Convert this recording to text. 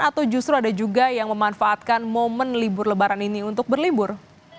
atau justru ada juga yang memanfaatkan momen libur lebaran ini untuk berlibur